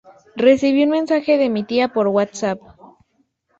Recibí un mensaje de mi tía por whatsapp